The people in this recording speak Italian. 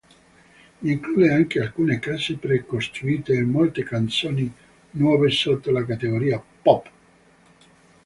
Include anche alcune case pre-costruite e molte canzoni nuove sotto la categoria "Pop".